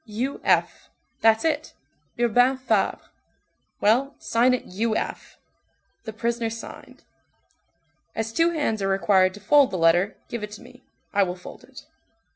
"U. F. That's it. Urbain Fabre. Well, sign it U. F." The prisoner signed. "As two hands are required to fold the letter, give it to me, I will fold it."